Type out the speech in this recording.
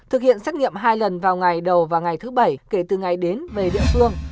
tiện xét nghiệm hai lần vào ngày đầu và ngày thứ bảy kể từ ngày đến về địa phương